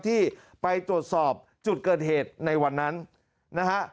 ที่ไปตรวจสอบจุดเกิดเหตุในวันนั้นนะฮะ